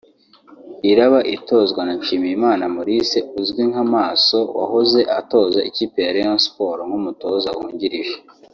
iraba itozwa na Nshimiyimana Maurice uzwi nka Maso wahoze atoza ikipe ya Rayon Sports nk’umutoza wungirije